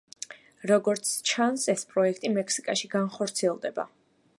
როგორც ჩანს, ეს პროექტი მექსიკაში განხორციელდება.